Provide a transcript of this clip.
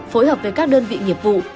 phối hợp với các đơn vị nghiệp vụ